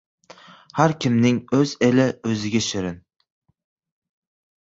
Har kimning o'z eli — o'ziga shirin.